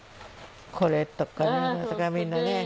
これとか何とかみんなね。